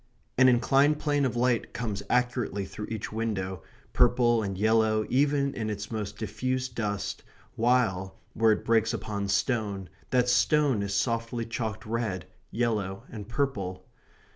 An inclined plane of light comes accurately through each window, purple and yellow even in its most diffused dust, while, where it breaks upon stone, that stone is softly chalked red, yellow, and purple.